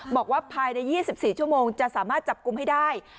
บอกว่าภายใน๒๔ชั่วโมงจะสามารถจับกลุ่มให้ได้